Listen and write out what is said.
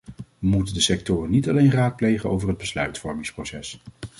We moeten de sectoren niet alleen raadplegen over het besluitvormingsproces.